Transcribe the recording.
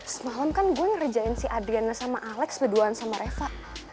semalam kan gue ngerjain si adriannya sama alex berduaan sama reva